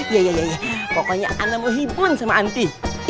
iya pokoknya ana mau hibun sama anti